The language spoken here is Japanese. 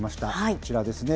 こちらですね。